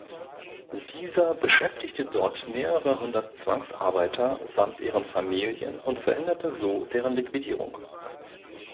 Dieser beschäftigte dort mehrere hundert Zwangsarbeiter samt ihren Familien und verhinderte so deren Liquidierung.